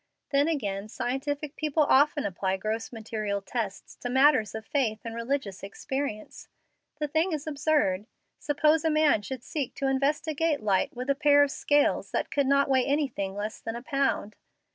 Then again, scientific people often apply gross material tests to matters of faith and religious experience. The thing is absurd. Suppose a man should seek to investigate light with a pair of scales that could not weigh anything less than a pound.